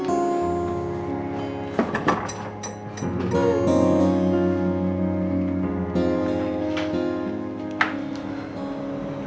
terima kasih papa